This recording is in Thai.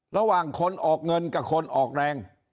ระหว่างคนออกเงินกับคนออกแรง